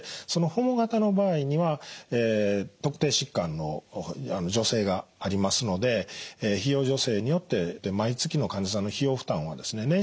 そのホモ型の場合には特定疾患の助成がありますので費用助成によって毎月の患者さんの費用負担はですね